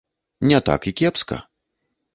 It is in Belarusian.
Не так і кепска.